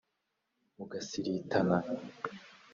mu gasiritana